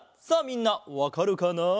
さあみんなわかるかな？